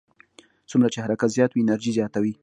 څومره چې حرکت زیات وي انرژي زیاته وي.